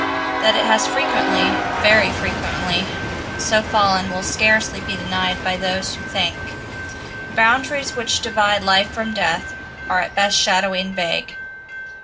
That it has frequently, very frequently, so fallen will scarcely be denied by those who think. The boundaries which divide Life from Death are at best shadowy and vague.